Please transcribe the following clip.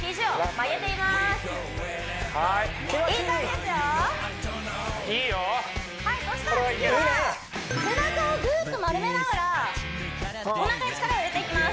これはいけるはいそしたら次は背中をグッと丸めながらおなかに力を入れていきます